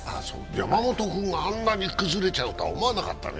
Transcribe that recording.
山本君があんなに崩れちゃうと思わなかったね。